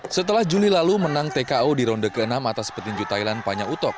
setelah juli lalu menang tko di ronde ke enam atas petinju thailand panya utok